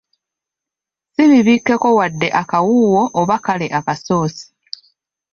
Si bibikkeko wadde akawuuwo oba kale akasoosi.